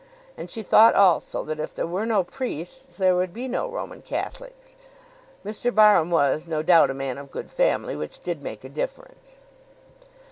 And she thought also that if there were no priests there would be no Roman Catholics. Mr. Barham was, no doubt, a man of good family, which did make a difference.